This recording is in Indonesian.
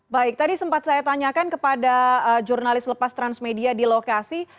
baik tadi sempat saya tanyakan kepada jurnalis lepas transmedia di lokasi